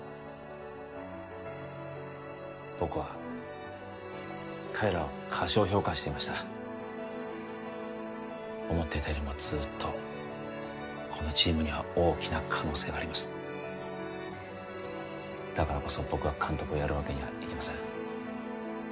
僕は彼らを過小評価していました思っていたよりもずっとこのチームには大きな可能性がありますだからこそ僕が監督をやるわけにはいきません